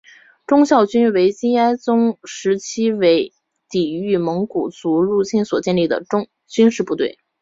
忠孝军为金哀宗时期为抵御蒙古族入侵所建立的军事部队。